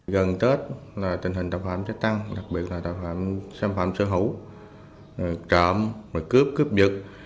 gần tết là tình hình tội phạm chất tăng đặc biệt là tội phạm xe phạm sở hữu trộm cướp cướp giật